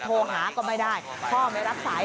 โทรหาก็ไม่ได้พ่อไม่รับสาย